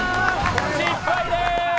失敗でーす。